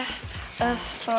selamat malam om